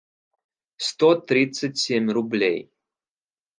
сто тридцать семь рублей